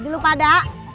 jadi lu pada